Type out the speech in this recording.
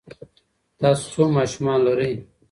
تاسو څو ماشومان لرئ؟